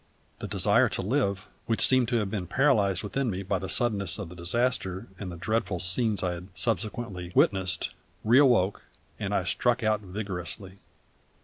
The desire to live, which seemed to have been paralysed within me by the suddenness of the disaster and the dreadful scenes I had subsequently witnessed, re awoke, and I struck out vigorously.